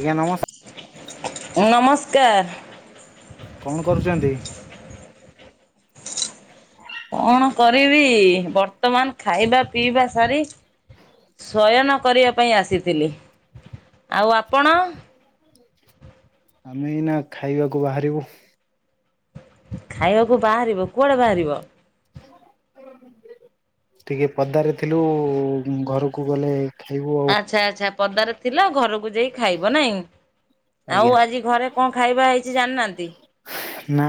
ଆଜ୍ଞା ନମସ୍କ ନମସ୍କାର। କଣ କରୁଛନ୍ତି? କଣ କରିବି ବର୍ତ୍ତମାନ ଖାଇବା ପିଇବା ସାରି ଶୟନ କରିବା ପାଇଁ ଆସିଥିଲି ଆଉ ଆପଣ? ଆମେ ଏଇନା ଖାଇବାକୁ ବାହାରିବୁ। ଖାଇବାକୁ ବାହାରିବ କୁଆଡେ ବାହାରିବ? ହ ହ ଟିକେ ପଦାରେ ଥିଲୁ ଘରକୁ ଗଲେ ଖାଇବୁ। ଆଉ। ଆଚ୍ଛା ଆଚ୍ଛା ପଦାରେ ଥିଲା ଘରକୁ ଯାଇ ଖାଇବ ନାଇଁ ଆଜ୍ଞା ଆଉ ଆଜି ଘରେ କଣ ଖାଇବା ହେଇଛି ଜାଣିନାହାନ୍ତି। ନା।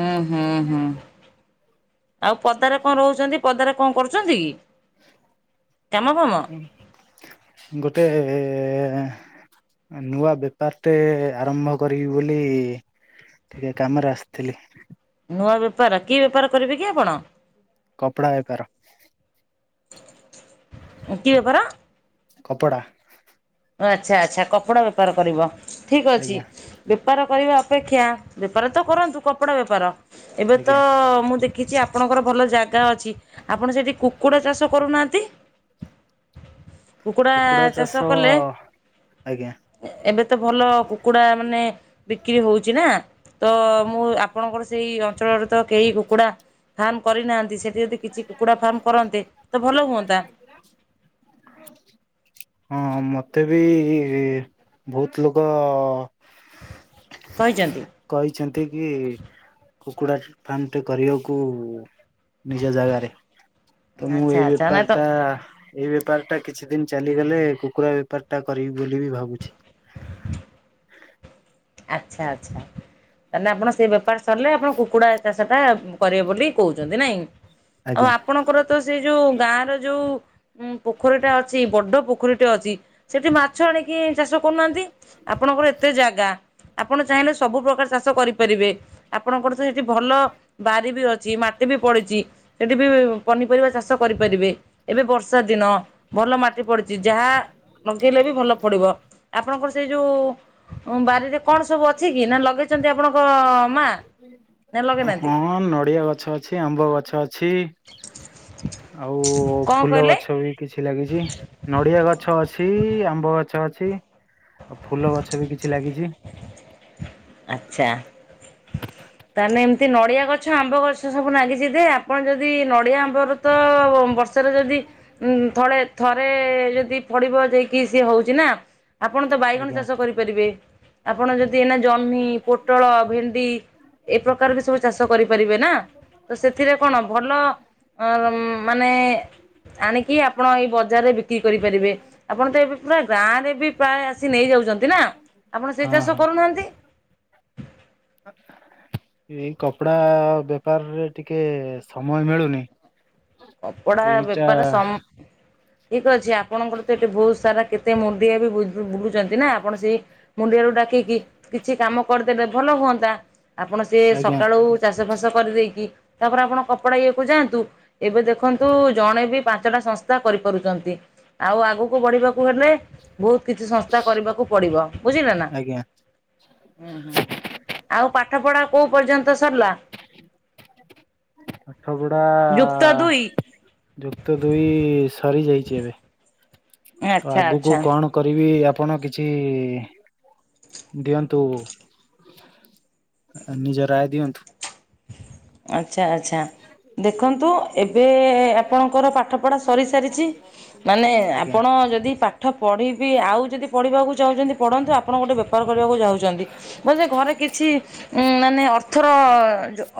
ଆଉ ପଦାରେ କଣ ରହୁଛନ୍ତି? ପଦାରେ କଣ କରୁଛନ୍ତି କି? କାମ ଫାମ ଗୋଟେ ନୂଆ ବେପାର ଟେ ଆରମ୍ଭ କରିବି ବୋଲି ଟିକେ କାମରେ ଆସିଥିଲି। ନୂଆବେପାର କି ବେପାର କରିବେକି ଆପଣ? କପଡ଼ା ବେପାର। କି ବେପାର? କପଡ଼ା। ଓ ଆଚ୍ଛା ଆଚ୍ଛା କପଡ଼ା ବେପାର କରିବ ଠିକ୍ ଅଛି। ଆଜ୍ଞା ବେପାର କରିବା ଅପେକ୍ଷା ବେପାର ତ କରନ୍ତୁ। କପଡ଼ା ବେପାର ଏବେ ତ ଆଜ୍ଞା। ମୁଁ ଟି କିଛି ଆପଣଙ୍କର ଭଲ ଜାଗା ଅଛି। ଆପଣ ସେଇଠି କୁକୁଡ଼ା ଚାଷ କରୁନାହାନ୍ତି। କୁକୁଡ଼ା ଚାଷ କଲେ ଆଜ୍ଞା ଏବେ ତ ଭଲ କୁକୁଡ଼ାମାନେ ବିକ୍ରି ହଉଛି ନା। ତ ମୁଁ ଆପଣଙ୍କର ସେଇ ଅଞ୍ଚଳରେ ତ କେହି କୁକୁଡା ଫାର୍ମ କରିନାହାନ୍ତି। ସେଠି ଯଦି କିଛି କୁକୁଡ଼ା ଫାର୍ମକରନ୍ତେ ତ ଭଲ ହୁଅନ୍ତା। ହା ଲେ ହଁ ମତେ ବି ବହୁତଲୋକ କହିଚନ୍ତି। କହିଛନ୍ତି କି କୁକୁଡ଼ା ଫାର୍ମଟେ କରିବାକୁ ନିଜ ଜାଗାରେ। ତ ମୁଁ ଆଚ୍ଛା ଏ ଆଚ୍ଛା ନାଇଁ ତ ବେପାରଟା ଏ ବେପାରଟା କିଛି ଦିନ ଚାଲିଗଲେ। କୁକୁଡ଼ା ବେପାର ଟା କରିବି ବୋଲି ବି ଭାବୁଛି। ଆଚ୍ଛା ଆଚ୍ଛା ତାହାଲେ। ଆପଣ ସେ ବେପାର ସରିଲେ ଆପଣ କୁକୁଡ଼ା ଚାଷଟା କରିବ ବୋଲି କହୁଛନ୍ତି ନାଇଁ ଆଉ ଆଜ୍ଞା ଆପଣଙ୍କର ତ ସେଇ ଯୋଉ ଗାଁ ର ଯୋଉ ହୁଁ ପୋଖରୀ ଟା ଅଛି। ବଡ ପୋଖରୀଟେ ଅଛି। ସେଠି ମାଛ ଆଣିକି ଚାଷ କରୁନାହାନ୍ତି। ଆପଣଙ୍କ ର ଏତେ ଜାଗା ଆପଣ ଚାହିଁଲେ ସବୁ ପ୍ରକାର ଚାଷ କରିପାରିବେ। ଆପଣଙ୍କ ର ସେଇଠି ଭଲ ବାରି ବି ଅଛି। ମାଟି ବି ପଡିଚି। ଏଠିବି ପନିପରିବା ଚାଷ କରିପାରିବେ। ଏବେ ବର୍ଷା ଦିନ। ଭଲ ମାଟି ପଡିଚି। ଯାହା ମଗେଇଲେବି ଭଲ ପଡିବ ଆପଣଙ୍କର ସେଇ ଯୋଉ ବାରିରେ କଣ ସବୁ ଅଛି କି। ନା ଲଗେଇଛନ୍ତି ଆପଣଙ୍କ ମା ନା ଲଗେଇନାହାନ୍ତି ହଁ ନଡିଆ ଗଛ ଅଛି, ଆମ୍ବ ଗଛ ଅଛି। ଆଉ କଣ କହିଲେ ଫୁଲଗଛ ବି। କିଛି ଲାଗିଛି। ନଡିଆ ଗଛ ଅଛି ଆମ୍ବ ଗ ଗଛ ଅଛି। ଆଉ ଫୁଲ ଗଛ ବି କିଛି ଲାଗିଚି। ଆଚ୍ଛା। ତାହେଲେ ଏମିତି ନଡ଼ିଆ ଗଛ, ଆମ୍ବ ଗଛ ସବୁ ଲାଗିଛି। ଯେ ଆପଣ ଯଦି ନଡ଼ିଆ ଆମ୍ବର ଗତ ବର୍ଷରେ ଯଦି ଥଳେ ଥରେ ଯଦି ପଡ଼ିବ ଯେଇ କିସି ହଉଚି ନା ଆପଣ ତ ବାଇଗଣ ଆଜ୍ଞା। ଚାଷ କରିପାରିବେ। ଆପଣ ଯଦି ଏଇନା ଜହ୍ନି, ପୋଟଳ, ଭେଣ୍ଡି। ଏ ପ୍ରକାର ବି ସବୁ ଚାଷ କରିପାରିବେ ନା। ତ ସେଥିରେ କଣ ଭଲ ଅ ମାନେ ଆଣିକି ଆପଣ ଏଇ ବଜାରରେ ବିକ୍ରି କରିପାରିବେ। ଆପଣ ତ ଏବେ ପୁରା ଗାଁ ରେ ବି ପ୍ରାୟ ଆସି ନେଇଯାଉଛନ୍ତି ନା। ଆପଣ ସେଇ ହଁ ଚାଷ ହଁ କରୁନାହାନ୍ତି? ହଁ ଏଇ କପଡା ବେପାରରେ ଟିକେ ସମୟ ମିଳୁନି। ଏଇ ଟା ଠିକ ଅଛି। ଆପଣଙ୍କର ତ ଏଠି ବହୁତ ସାରା କେତେ ମୁଣ୍ଡିଏ ବି ବୁ ବୁଲୁଛନ୍ତି ନା ଆପଣ ସେଇ ମୁଣ୍ଡିଆଳୁ ଡାକିକି କିଛି କାମ କରିଦେଲେ ଭଲ ହୁଅନ୍ତା। ଆପଣ ସିଏ ଆଜ୍ଞା ସକାଳୁ ଚାଷ ଫାସ କରିଦେଇକି। ତାପରେ ଆପଣ କପଡ଼ା ଇଏ କୁ ଯାଆନ୍ତୁ। ଏବେ ଦେଖନ୍ତୁ ଜଣେ ବି ପାଞ୍ଚଟା ସଂସ୍ଥା କରିପାରୁଛନ୍ତି। ଆଉ ଆଗକୁ ବଢିବା କୁ ହେଲେ ବହୁତ କିଛି ସଂସ୍ଥା କରିବାକୁ ପଡିବ ବୁଝିଲ ନା। ଆଜ୍ଞା ହଁ ଆଉ ପାଠ ପଢା କୋଉ ପର୍ଯ୍ୟନ୍ତ ସରିଲା? ପାଠ ପଡା ଯୁକ୍ତ ଦୁଇ ଯୁକ୍ତ ଦୁଇ ସରିଯାଇଛି ଏବେ ତ ଆଚ୍ଛା ଆଗକୁ ଆଚ୍ଛା। କଣ କଣ କରିବି ଆପଣ କିଛି ଦିଅନ୍ତୁ? ନିଜ ରାୟ ଦିଅନ୍ତୁ? ଆଚ୍ଛା ଆଛା ଦେଖନ୍ତୁ ଏବେ ଏବେ ଆପଣଙ୍କର ପାଠ ପଢା ସରିସାରିଛି ମାନେ ଆଜ୍ଞା। ଆପଣ ଯଦି ପା ପାଠ ପଢ଼ିବି ଆଉ ଯଦି ପଢ଼ିବାକୁ ଚାହୁଁଛନ୍ତି ପଢ଼ନ୍ତୁ ଆପଣ ଗୋଟେ ବେ ବେପାର କରିବାକୁ ଯାଉଛନ୍ତି ବୋଲେ ଘରେ କିଛି ମାନେ ଅର୍ଥର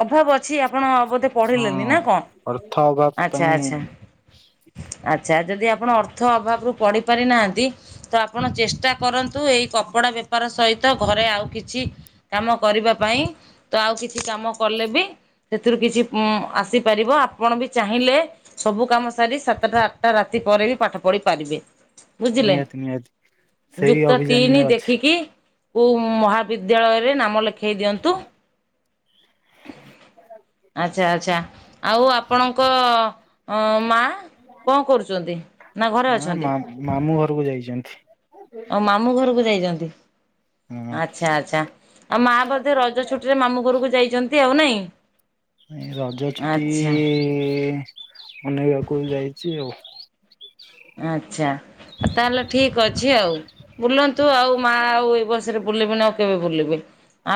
ଅଭାବ ଅଛି ଆପଣ ବୋଧେ ପଢିଲେନି ହଁ ନା କଣ ଅର୍ଥ ଅଭାବ ଆଚ୍ଛା ପାଇଁ ଆଚ୍ଛା ଆଚ୍ଛା ଯଦି ଆପଣ ଅର୍ଥ ଅଭାବରୁୁ ପଡିି ପାରିନାହାନ୍ତି ତ ଆପଣ ଚେଷ୍ଟା କରନ୍ତୁ ଏଇ କପଡା ବେପାର ସହିତ ଘରେ ଆଉ କିଛି କାମ କରିବା ପାଇଁ ତ ଆଉ କିଛି କାମ କଲେ ବି ସେଥିରୁ କିଛି ମ ଆସିପାରିବ ଆପଣ ବି ଚାହିଁଲେ ସବୁ କାମ ସାରି ସାତଟା ଆଠଟା ରାତି ପରେ ବି ପାଠ ପଢି ପାରିବେ। ବୁଝିଲେ ନିହାତି ନିହାତି ସେଇ ଯୁକ୍ତ ତିନି ଅଭିଯାନରେ ଅଛି। ଦେଖିକି କୁ ମହାବିଦ୍ୟାଳୟରେ ନାମ ଲେଖେଇ ଦିଅନ୍ତୁ? ଆଚ୍ଛା ଆଚ୍ଛା। ଆଉ ଆପଣଙ୍କ ମା କଣ କରୁଛନ୍ତି ନା ଘରେ ମା ଅଛନ୍ତି? ମା ମାମୁଁ ଘରକୁ ଯାଇଛନ୍ତି। ହ ମାମୁଁ ଘରକୁ ଯାଇଛନ୍ତି ହଁ ଆଛା ଆଚ୍ଛା। ଆଉ ମା ବଧେ ରଜ ଛୁଟିରେ ମାମୁଁ ଘରକୁ ଯାଇଛନ୍ତି ଆଉ ନାଇଁ। ରଜ ଛୁଟି ଆଚ୍ଛା। ବନେଇବାକୁ ଯାଇଛି ଆଉ। ଆଚ୍ଛା ତାହେଲେ ଠିକ ଅଛି ଆଉ। ବୁଲନ୍ତୁ ଆଉ ମା ଆଉ ଏଇ ବସରେ ବୁଲିବେନି ଆଉ କେବେ ବୁଲିବେ?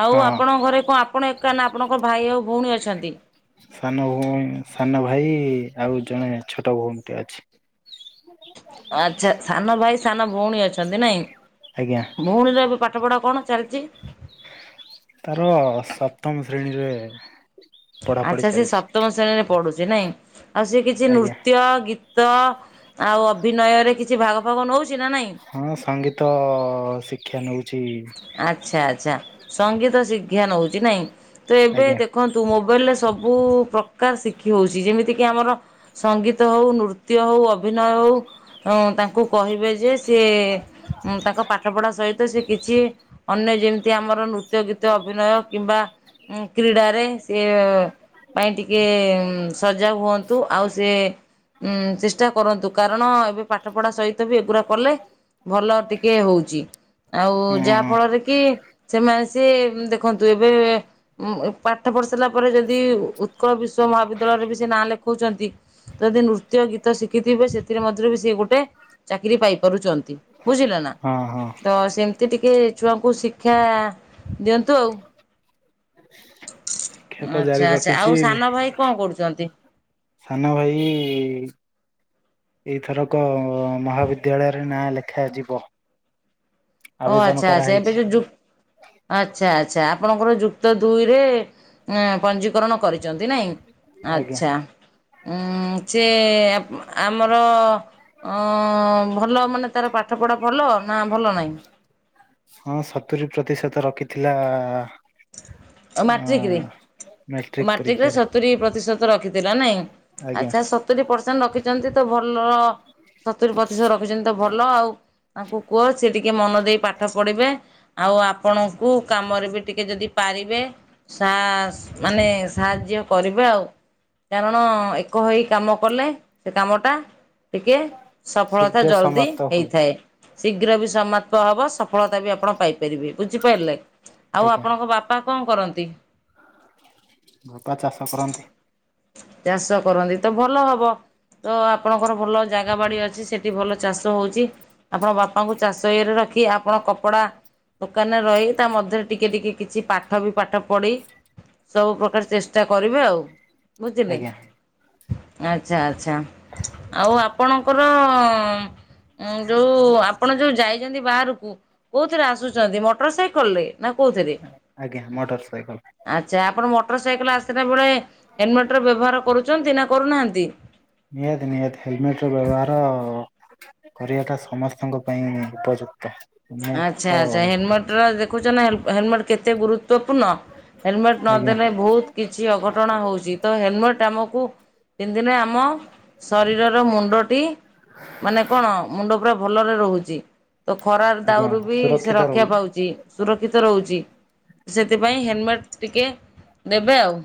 ଆଉ ହଁ ଆପଣଙ୍କ ଘରେ କଣ ଆପଣ ଏକା ନା ଆପଣଙ୍କ ଭାଇ ଆଉ ଭଉଣୀ ଅଛନ୍ତି? ସାନ ଭଉଣୀ ସାନ ଭାଇ ଆଉ ଜଣେ ଛୋଟ ଭଉଣୀ ଟେ ଅଛି। ଆଚ୍ଛା ସାନ ଭାଇ ସାନ ଭଉଣୀ ଅଛନ୍ତି ନାଇଁ। ଆଜ୍ଞା। ଭଉଣୀର ଏବେ ପାଠପଢ଼ା କଣ ଚାଲିଛି? ତାର ସପ୍ତମ ଶ୍ରେଣୀରେ ପଢାପଢି ଆଚ୍ଛା ସିଏ ଚାଲିଛି। ସପ୍ତମ ଶ୍ରେଣୀରେ ପଢୁଛି ନାଇଁ ଆଉ ସେ କିଛି ଆଜ୍ଞା ନୃତ୍ୟ ଗି ତ ଆଉ ଅଭିନୟରେ କିଛି ଭାଗ ଫାଗ ନେଉଛି ନା ନାହିଁ। ହଁ ସଙ୍ଗୀତ ଶିକ୍ଷା ନେଉଛି। ଆଚ୍ଛା ଆଛା ସଙ୍ଗୀତ ଶିକ୍ଷା ନଉଚି ନାଇଁ ତ ଏବେ ଆଜ୍ଞା ଦେଖ ତୁ ମୋବାଇଲରେ ସବୁ ପକା ଶିଖି ହେଉଛି ଯେମିତିକି ଆମର ସଙ୍ଗୀତ ହେଉ ନୃତ୍ୟ ହେଉ ଅଭିନୟ ହେଉ। ହଁ ତାଙ୍କୁ କହିବେ ଯେ ସିଏ ତାଙ୍କ ପାଠପଢ଼ା ସହିତ ସିଏ କି ଚି ଅନ୍ୟ ଯେମିତି ଆମର ନୃତ୍ୟ ଗୀତ ଅଭିନୟ କିମ୍ବା ଉଁ କ୍ରୀଡ଼ାରେ ସିଏ ପାଇଁ ଟିକେ ସଜାଗ ହୁଅନ୍ତୁ ଆଉ ସିଏ ଉଁ ଚେଷ୍ଟା କରନ୍ତୁ କାରଣ ଏବେ ପାଠ ପଢା ସହିତ ବି ଏଗୁଡା କଲେ ଭଲ ଟିକେ ହୋଉଚି ଆଉ ହଁ। ଯାହା ଫଳରେ କି କି ସେମାନେ ସିଏ ଦେଖନ୍ତୁ ଏବେ ଉ ପାଠ ପଢି ସାରିଲା ପରେ ଯଦି ଉ ଉତ୍କଳ ବିଶ୍ୱ ମହାବିଦ୍ୟାଳୟରେ ବି ସେ ନାଁ ଲେଖଉଛନ୍ତି ଯଦି ନୃତ୍ୟ ଗୀତ ତ ଶିଖିଥିବେ ସେଥିରେ ମଧ୍ୟରେ ବି ସିଏ ଗୋଟେ ଚାକିରି ପାଇପାରୁଛନ୍ତି ବୁଝିଲ ନା। ହଁ ହଁ ହଁ ତ ସେମିତି ଟିକିଏ ଛୁଆଙ୍କୁ ଶିକ୍ଷା ଦିଅନ୍ତୁ ଆଉ। କ୍ଷେତ ଜାରି ଆଚ୍ଛା ଆଚ୍ଛା ରଖିଛି ଆଉ ସାନ ଭାଇ କଣ କରୁଚନ୍ତି? ସାନ ଭାଇ ଇ ଇ ଏଇଥରକ ମହାବିଦ୍ୟାଳୟରେ ନାଁ ଲେଖାଯିବ। ଓ ଆବେଦନ ଆଚ୍ଛା ଆଚ୍ଛା କରାହେଇଛି ଏବେ ଯୋଉ ଯୁ ଆଚ୍ଛା ଆଚ୍ଛା ଆପଣଙ୍କର ଯୁକ୍ତ ଦୁଇରେ ପଞ୍ଜୀିକରଣ କରିଛନ୍ତି ନାଇଁ। ଆଜ୍ଞା ଆଚ୍ଛା। ଉଁ ସିଏ ଆମର ଅ ଭଲ ମାନେ ତାର ପାଠପଢ଼ା ଭଲ ନା ଭଲ ନାହିଁ? ହଁ ସତୁୁର ପ୍ରତିଶତ ରଖିଥିଲା। ଆଉ ହଁ ମାଟ୍ରିକରେ? ମ୍ୟ ଟ୍ରିକ୍ ମାଟ୍ରିକରେ ପରୀକ୍ଷାରେ। ସତୁରି ପ୍ରତିଶତ ରଖିଥିଲା ନାହିଁ। ଆଜ୍ଞା ଆଚ୍ଛା ସତୁରିୀ ପରସେଣ୍ଟେ ରଖିଛନ୍ତି ତ ଭଲ ସତୁରିୀ ପ୍ରତିଶତ ର କେହୁଚନ୍ତି ତ ଭଲ ଆଉ। ତାଙ୍କୁ କୁହ ସିଏ ଟିକେ ମନ ଦେଇ ପାଠ ପଢିବେ ଆଉ ଆପଣଙ୍କୁ କାମରେ ବି ଟିକେ ଯଦି ପାରିବେ ମାନେ ସାହାଯ୍ୟ କରିବେ ଆଉ। କାରଣ ଏକ ହେଇ କାମ କଲେ ସେ କାମଟା। ଟିକେ ସଫଳତା ଶୀଘ୍ର ଜଲଦି ସମାପ୍ତ ହୁଏ ହେଇଥାଏ,। ଶୀଘ୍ର ବି ସମାପ୍ତ ହବ ସଫଳତା ବି ଆପଣ ପାଇପାରିବେ ବୁଝିପାରିଲେ। ଆଉ ଆଜ୍ଞା। ଆପଣଙ୍କ ବାପା କଣ କରନ୍ତି? ବାପା ଚାଷ କରନ୍ତି। ଚାଷ କରନ୍ତି ତ ଭଲ ହବ। ତ ଆପଣଙ୍କର ଭଲ ଜାଗା ବାଡ଼ି ଅଛି ସେଠି ଭଲ ଚାଷ ହୋଉଚି। ଆପଣ ବାପାଙ୍କୁ ଚାଷ ଇଏରେ ରଖି ଆପଣ କପଡ଼ା ଦୋକାନରେ ରହି ତା ମଧ୍ୟରେ ଟିକେ ଟିକେ କିଛି ପାଠ ବି ପାଠ ପଢ଼ି ସବୁ ପ୍ରକାର ଚେଷ୍ଟା କରିବେ ଆଉ। ବୁଝିଲେ? ଆଜ୍ଞା ଆଚ୍ଛା ଆଚ୍ଛା ଆଉ ଆପଣ ଙ୍କର ଅଁ ଯୋଉ ଆପଣ ଯୋଉ ଯାଇଛନ୍ତି ବାହାରକୁ କୋଉଥିରେ ଆସୁଚନ୍ତି ମୋଟର ସାଇକଲରେ? ଆଜ୍ଞା ମୋଟର ସାଇକେ୍ଲ। ଆଚ୍ଛା ଆପଣ ମୋଟର ସାଇକଲ ଆସିଲା ବେଳେ ହେଲମେଟର ବ୍ୟବହାର କରୁଛନ୍ତି ନା କରୁନାହାନ୍ତି? ନିହାତି ନିହାତି ହେଲମେଟ୍ ର ବ୍ୟବହାର କରିବାଟା ସମସ୍ତଙ୍କ ପାଇଁ ଉପଯୁକ୍ତ ମୁଁ ତ ତ ଦେଖୁଚ ନା ହେଲ୍ ହେଲମେଟ୍ କେତେ ଗୁରୁତ୍ୱପୂର୍ଣ୍ଣ ହେଲମେଟ୍ ନ ଆଜ୍ଞା ଦେନେ ବହୁ କିଛି ଅଘଟଣା ହଉଛି ତ ହେଲମେଟ ଆମକୁ ପିନ୍ଧିଲେ ଆମ ଶରୀରର ମୁଣ୍ଡଟି ମାନେ କଣ ମୁଣ୍ଡ ପୁରା ଭଲରେ ରହୁଛି ତ ଖରା ଆଜ୍ଞା ତାଉରୁ ବି ସେ ସୁରକ୍ଷିତ ରକ୍ଷା ରହୁଛି ପାଉଛି। ସୁରକ୍ଷିତ ରହୁଛି ସେଥିପାଇଁ ହେଲମେଟ ଟିକେ ନେବେ ଆଉ।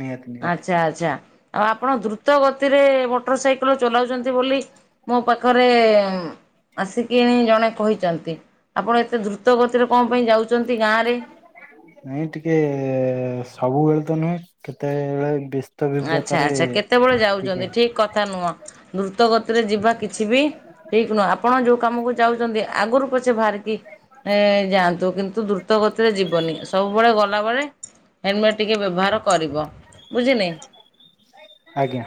ନିହାତି ନିହାତି। ଆଛା ଆଚ୍ଛା ଆଉ ଆପଣ ଦ୍ରୁତ ଗତିରେ ମୋଟର ସାଇକେଲ ଚଲାଉଛନ୍ତି ବୋଲି ମୋ ପାଖରେ ଆସିକିଣି ଜଣେ। କହିଛନ୍ତି ଆପଣ ଏତେ ଦ୍ରୁତ ଗତିରେ କଣ ପାଇଁ ଯାଉଛନ୍ତି ଗାଁରେ। ନାଇଁ ଟିକେ ସବୁବେଳେ ତ ନୁହେଁ କେତେବେଳେ ଆଚ୍ଛା ବିବ୍ରତରେ ଆଚ୍ଛା କେତେବେଳେ ଟିକେ ଯାଉଛନ୍ତି ଠିକ। କଥା ନୁହଁ ଦ୍ରୁତ ଗତିରେ ଯିବା କିଛି ବି ଠିକ ନୁହଁ ଆପଣ ଯୋଉ କାମକୁ ଯାଉଛନ୍ତି ଆଗରୁ ପଛେ ବାହାରିକି ଏ ଯାଆନ୍ତୁ କିନ୍ତୁ ଦୁ ଗତ ଗତିରେ ଯିବନି ସବୁବେଳେ ଗଲାବେଳେ ହେଲମେଟ୍ ଟିକେ ବ୍ୟବହାର କରିବ ବୁଝିନି। ଆଜ୍ଞା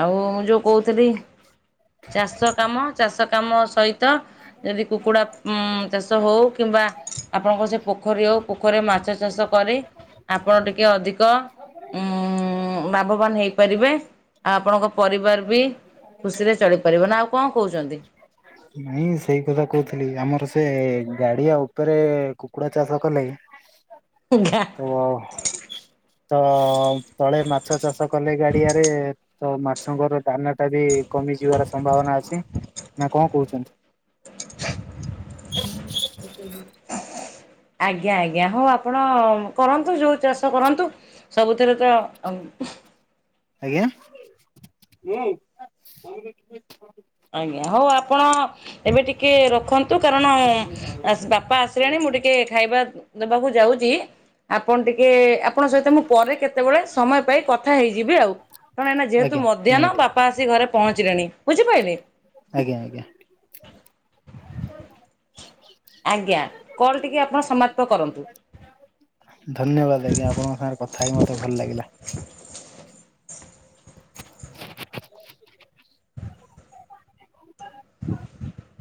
ଆଉ ମୁଁ ଯୋଉ କହୁଥିଲି ଚାଷ କାମ ଚାଷ କାମ ସହିତ। ଯଦି କୁକୁଡ଼ା ଚାଷ ହଉ କିମ୍ବା ଆପଣଙ୍କ ସେ ପୋଖରୀ ହେଉ ପୋଖରୀ ମାଛ ଚାଷ କରି ଆପଣ ଟିକେ ଅଧିକ ଉଁ ଲାଭବାନ ହେଇପାରିବେ ଆଉ ଆପଣଙ୍କ ପରିବାର ବି। ଖୁସିରେ ଚଳିପାରିବ ନା ଆଉ କଣ କହୁଛନ୍ତି। ମୁଇଁ ସେଇ କଥା କହୁଥିଲି ଆମର ସେ ଗାଡିଆ ଉପରେ କୁକୁଡ଼ା ଚାଷ କଲେ। ଇଘା ତ ତ ତଳେ ମାଛ ଚାଷ କଲେ ଗାଡିଆରେ ତ ମାଛଙ୍କର ଦାନା ଟା ବି କମି ଯିବାର ସମ୍ଭାବନା ଅଛି ନା କଣ କହୁଛନ୍ତି। ଆଜ୍ଞା ଆଜ୍ଞା ହଉ ଆପଣ କରନ୍ତୁ ଯୋଉ ଚାଷ କରନ୍ତୁ। ସବୁଥିରେ ତ ଆଉ ହୁମ୍। ଆଜ୍ଞା ଆଜ୍ଞା ହଉ ଆପଣ ଏବେ ଟିକେ ରଖନ୍ତୁ କାରଣ ବାପା ଆସିଲାଣି ମୁଁ ଟିକେ ଖାଇବା। ଦବାକୁ ଯାଉଛି ଆପଣ ଟିକେ ଆପ ଆପଣଙ୍କ ସହିତ ମୁଁ ପରେ କେତେବେଳେ ସମୟ ପାଇ କଥା ହେଇଯିବି ଆଉ କାରଣ ଏନା ଯେହେତୁ ଆଜ୍ଞା ମଧ୍ୟାହ୍ନ ବା ନିହାତି ବାପା ଆସି ଘରେ ପହଞ୍ଚିଲେଣି ବୁଝିପାରିଲେ। ଆଜ୍ଞା ଆଜ୍ଞା ଆଜ୍ଞା କଲ୍ ଟିକିେ ଆପଣ ସମାପ୍ତ କରନ୍ତୁ। ଧନ୍ୟବାଦ ଆଜ୍ଞା ଆପଣଙ୍କ ସାଙ୍ଗରେ କଥା ହେଇ ମତେ ଭଲ ଲାଗିଲା ହୁଁ